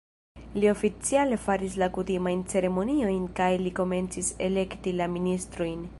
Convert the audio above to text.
Li oficiale faris la kutimajn ceremoniojn kaj li komencis elekti la ministrojn.